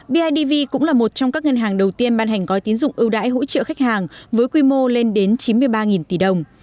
bidv cũng là một trong các ngân hàng đầu tiên ban hành gói tín dụng ưu đãi hỗ trợ khách hàng với quy mô lên đến chín mươi ba tỷ đồng